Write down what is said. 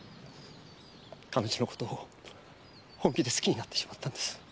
彼女の事を本気で好きになってしまったんです。